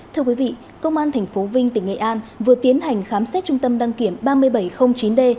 thưa quý vị công an tp vinh tỉnh nghệ an vừa tiến hành khám xét trung tâm đăng kiểm ba nghìn bảy trăm linh chín d